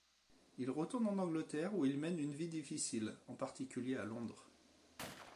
Il retourne en Angleterre où il mène une vie difficile, en particulier à Londres.